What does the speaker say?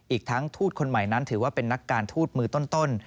อีกทั้งทูตคนใหม่นั้นถือว่าเป็นนักการทูตมือต้น